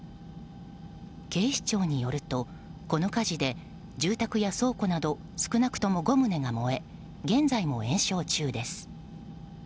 警視庁によるとこの火事で住宅や倉庫など少なくとも５棟が燃え現在も延焼中です。